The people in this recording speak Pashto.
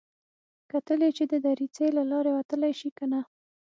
کتل يې چې د دريڅې له لارې وتلی شي که نه.